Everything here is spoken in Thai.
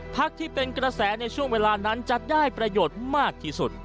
ภักที่เป็นกระแสในช่วงเวลานั้นจะได้ประโยชน์มากที่สุด